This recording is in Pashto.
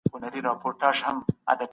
انلاين سوداګري اسانتيا زياتوي.